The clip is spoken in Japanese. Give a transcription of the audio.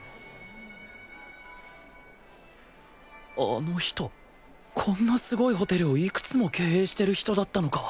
あの人こんなすごいホテルをいくつも経営してる人だったのか